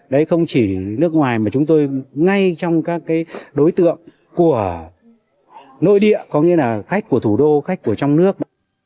đấy không chỉ nước ngoài mà chúng tôi ngay trong các đối tượng của nội địa có nghĩa là khách của thủ đô khách của trong nước